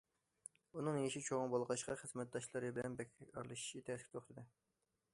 ئۇنىڭ يېشى چوڭ بولغاچقا خىزمەتداشلىرى بىلەن بەكرەك ئارىلىشىشى تەسكە توختىدى.